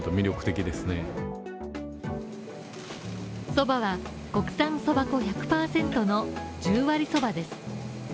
そばは国産そば粉１００％の十割そばです。